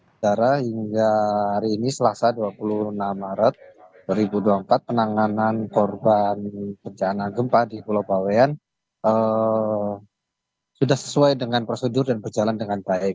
secara hingga hari ini selasa dua puluh enam maret dua ribu dua puluh empat penanganan korban bencana gempa di pulau bawean sudah sesuai dengan prosedur dan berjalan dengan baik